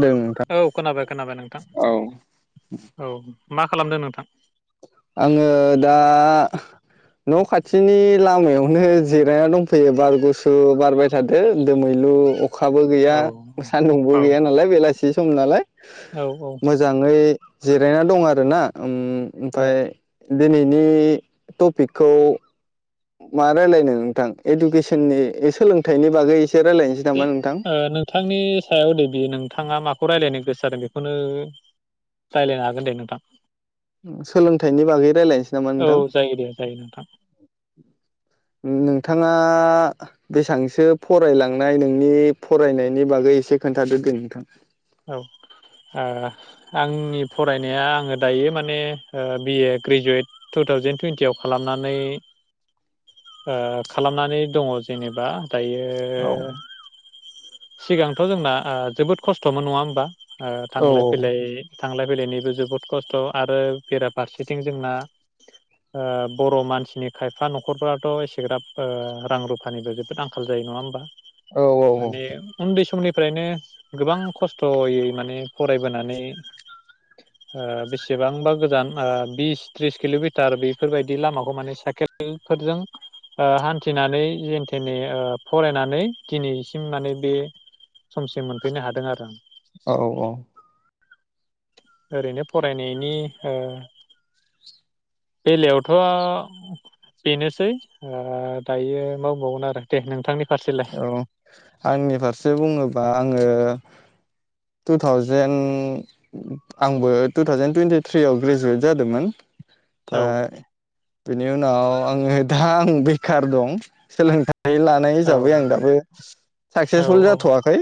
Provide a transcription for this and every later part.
जादों नोंथां औ खोनाबाय खोनाबाय नोंथां औ मा खालामदों नोंथां? आङो दाह न खाथिनि लामायावनो जिरायना दंफैयो बारगुसु बारबाय थादों दोमैलु अखाबो गैया औ सान्दुंबो गैया नालाय बेलासि सम नालाय औ औ मोजाङै जिरायना दं आरो ना ओम औ ओमफ्राय दिनैनि टपिकखौ मा रायलायनो नोंथां इडुकेसननि सोलोंथाइनि बागै एसे रायलायनोसै दो नामा नोंथां ओ नोंथांनि सायाव देबि नोंथाङा माबा जेखौ रायलायनो गोसो जादों बेखौनो रायज्लायनो हागोन दे नोंथां सोलोंथाइनि बागै रायलायनोसै नामा औ नोंथां जायो दे जायो नोंथां नोंथाङा नोंथाङा बेसेबांसो फरायलांनाय नोंनि फरायनायनि बागै एसे खोन्थादो दे नोंथां औ ओह आंनि फरायनाया आङो दायो माने ओ B A graduate two thousand टुइन्टियाव खालामनानै ओ खालामनानै दङ जेनेबा औ दायोह सिगांथ जोंना ओ जोबोद खस्थमोन नङा होमबा? ओ औ थांलाय फैलाय थांलाय थां फैलायनिबो जोबोद खस्थ आरो बेराफारसेथिं जोंना ओ बर मानसिनि खायफा नखरफ्राथ एसेग्राब ओ रां रुफानिबो जोबोद आंखाल जायो नङा होमबा? औ औ औ माने उन्दै समनिफ्रायनो गोबां खस्थयै माने फरायबोनानै ओ बेसेबांबा गोजान ओ बिस थ्रिस किलमिटार बेफोरबायदि लामाखौ माने साइकेलफोरजों ओ हान्थिनानै जेनथेेनै फरायनानै दिनैसिम माने बे समसिम मोनफैनो हादों आरो आं। औ औ औ ओरैनो फरायनायनि ओ बेलायावथ बेनोसै ओ दायो माबुंबावगोन आरो दे नोंथांनि फारसेलाय औ आंनि फार बे बुङोबा आङो टु थावजेेन आंबो टु थावजेन टुइन्टिथ्रियाव ग्रेजुवेट जादोंमोन। औ ओमफाय बेनि उनाव आङो दा आं बेखार दं सोलोंथाइ लानाय औ हिसाबै आं दाबो औ साक्सेसफुल जाथवाखै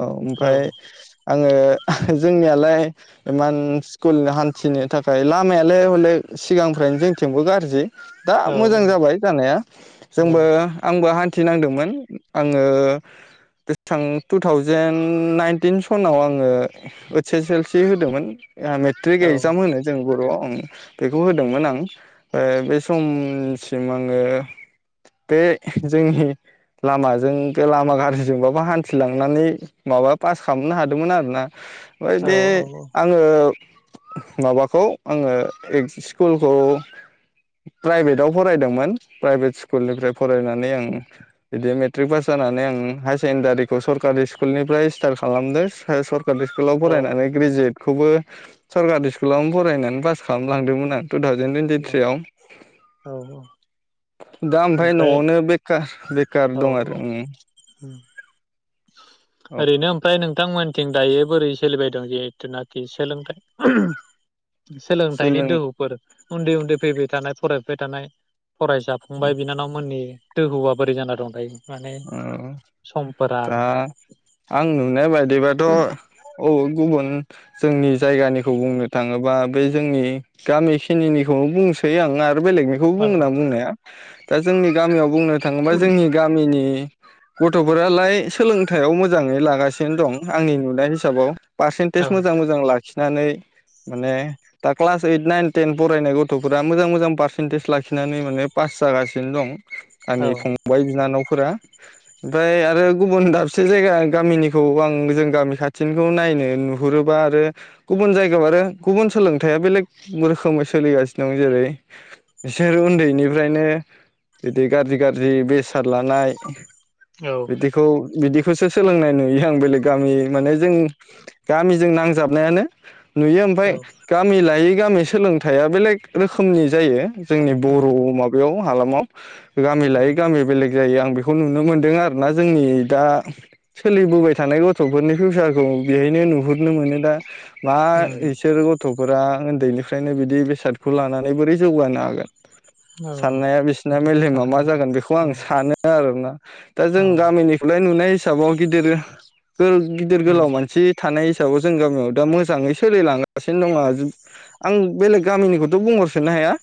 औ ओमफ्राय आङो जोंनियालाय इमान स्कुल हान्थिनो थाखाय लामायालाय हले सिगांफ्रायनो जोंथिंबो गाज्रि दा औ मोजां जाबाय जानाया औ जोंबो आंबो हान थिनांदोंमोन आङो बेसेबां टु थावजेेन नाइनटिन सनाव आङो ओइस एस एल सि होदोंमोन। मेट्रिक औ एक्जाम होनो जों बरआव। बेखौ होदोंमोन आं ओ बे समसिम आङो बे जोंनि लामाजों लामा गाज्रिजोंबाबो हान्थिलांनानै माबा पास खालामनो हादोंमोन आरो ना। ओमफ्रायदि आङो माबाखौ आङो एक स्कुलखौ प्राइभेदाव फरायदोंमोन प्राइभेट स्कुलनिफ्राय फरायनानै आं बिदि मेट्रिक पास जानानै आं हायार सेकेन्डारिखौ सरकारि स्कुलनिफ्राय स्टार्ट खालामदों ओम सर फ्रायबेद स्कुलाव औ फरायनानै ग्रेजुवेट खौबो सरकारि स्कुलावनो फरायनानै पास खालामलांदोंमोन आं। टु थावजेन टुइन्टि थ्रियाव। औ दा ओमफाय ओमफ्राय न'आवनो बेकार बे कार दं आरो ओं उम ओरैनो ओमफ्राय नोंथांमोनथिं दायो बोरै सोलिबाय दों जिहेथुनाखि सोलोंथाइ सोलोंथाइनि सोलों दोहौफोर उन्दै उन्दै फैबाय थानाय फरायफुबाय थानाय फरायसा फंबाय बिनानावमोननि दोहौआ बोरै जाना दं दायो माने ओ सम दा आं नुनाय बायदिबाथ अ गु गुबुन जोंनि जायगानिखौ बुंनो थाङोबा बे जोंनि गामि खिनिनिखौ बुंसै आं ना आरो बेलेगनिखौबो औ बुंगोन आं बुंनाया। दा जोंनि गामियाव बुंनो थाङोबा जोंनि गामिनि नि गथ'फोरालाय सोलोंथायाइयाव मोजाङै लागासिनो दं आंनि नुनाय हिसाबाव पारसेन्टेज मोजां औ मोजां लाखि नानै माने दा क्लास ओइट नाइन टेन फरायनाय गथफोरा मोजां मोजां पारसेन्टेज लाखिनानै माने पास जागासिनो दं। आंनि फंबाय बिनानाव फोरा ओमफ्राय आरो गुबुन दाबसे जायगा गामिनिखौ आं जों गामि खाथिनिखौ नायनो नुहुरोबा आरो गुबुन जायगायाव आरो गुबुन सोलोंथाया बेलेग रोखोमै सोलिगासिनो दं जेरै बिसोर उन्दैनिफ्रायनो बिदि गारजि गारजि बेसाद लानाय औ [inaudible] बिदिखौ बिदिखौसो सोलोंनाय नुयो आं बेलेग गामि माने जों गामिजों नांजाबनायानो नुयो ओमफ्राय गामि लायै गामि सोलोंथाइया बेलेग रोखोमनि जायो जोंनि बर' उम माबायाव हालामाव। गामि औ लायै गामि बेलेग जायो आं बे खौ नुनो मोनदों आरोना जोंनि दा सोलिबोबाय थानाय गथफोरनि फिउसारखौ बेहायनो नुहुरनो मोनो दा। मा उम इसोरो गथ फोरा उन्दैनिफ्रायनो बिदि बेसादखौ लानानै बोरै जौगानो हागोन। औ साननाया बिसिना बेथ' मेलेमा मा जाथाराबा जागोन बेखौ आं औ सानो आरोना दा जों औ गामिनिखौलाय नुनाय हिसाबाव गिदिर फोर गिदिर उम गोलाव मानसि थानाय हिस हिसाबाव जों गामियाव दा मोजाङै सोलिलांगासिनो दङ आं बेलेग गामिनिखौथ बुंहरसनो हाया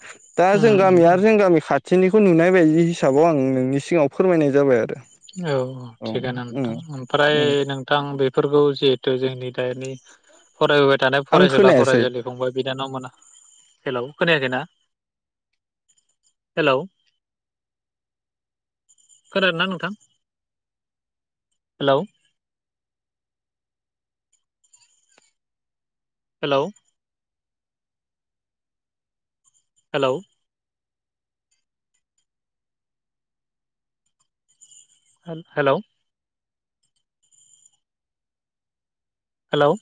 दा जों उम गामि आरो औ जों गामि खाथ थिनिखौ नुनाय बायदि हिसाबाव आं नोंनि सिगाङाव फोरमायनाय जाबाय आरो। औ औ थिगानो नोंथां ओमफ्राय उम नोंथां बे फोरखौ जिहेथु जोंनि दानि फरायबोबाय थानाय आं फरायसुला खोनायासै फरायसुलि फंबाय बिनानाव मोन हेलौ खोनायाखैना हेलौ खोनादों ना नोंथां? हेल हेलौ हेलौ हेल-हेलौ हेलौ